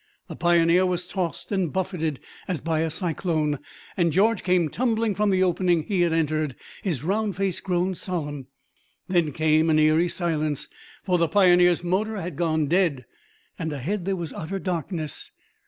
The Pioneer was tossed and buffeted as by a cyclone, and George came tumbling from the opening he had entered, his round face grown solemn. Then came eery silence, for the Pioneer's motor had gone dead. Ahead there was utter darkness.